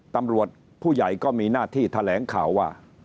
ตำรวจผู้ใหญ่ก็มีหน้าที่แถลงข่าวว่า